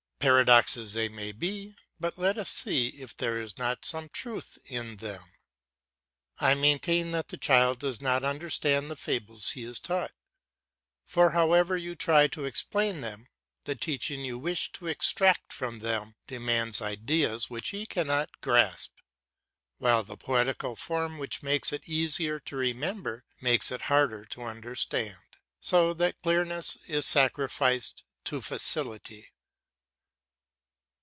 Paradoxes they may be; but let us see if there is not some truth in them. I maintain that the child does not understand the fables he is taught, for however you try to explain them, the teaching you wish to extract from them demands ideas which he cannot grasp, while the poetical form which makes it easier to remember makes it harder to understand, so that clearness is sacrificed to facility.